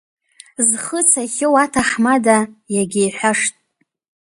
Зхы цахьоу аҭаҳмада иагьа иҳәашт…